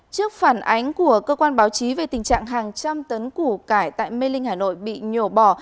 trước phản ánh của cơ quan báo chí về tình trạng hàng trăm tấn củ cải tại mê linh hà nội bị nhổ bỏ